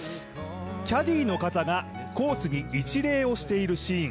キャディーの方がコースに一礼をしているシーン。